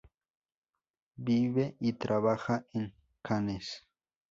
Vive y trabaja en Cannes.